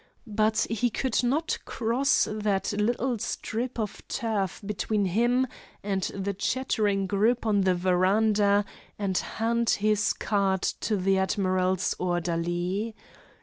But he could not cross that little strip of turf between him and the chattering group on the veranda and hand his card to the admiral's orderly.